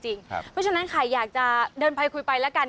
เพราะฉะนั้นใครอยากจะเดินไปคุยไปแล้วกัน